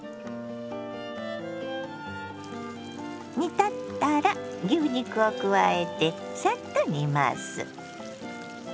煮立ったら牛肉を加えてサッと煮ます。